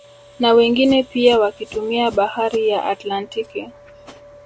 Na wengine pia wakitumia bahari ya Atlantiki